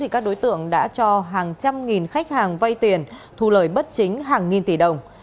các đối tượng đã cho hàng trăm nghìn khách hàng vay tiền thu lời bất chính hàng nghìn tỷ đồng